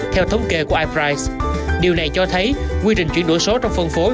theo thống kê của iprise điều này cho thấy quy trình chuyển đổi số trong phân phối